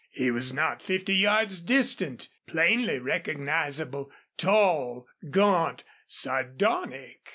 He was not fifty yards distant, plainly recognizable, tall, gaunt, sardonic.